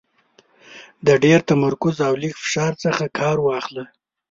د ډېر تمرکز او لږ فشار څخه کار واخله .